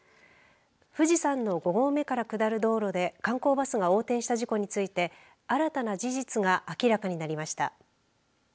富士山の５合目から下る道路で観光バスが横転した事故について新たな事実が明らかになりました。